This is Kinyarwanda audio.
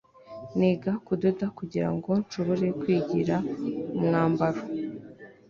Niga kudoda kugirango nshobore kwigira umwambaro